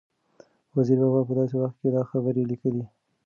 وزیر بابا په داسې وخت کې دا خبرې لیکلي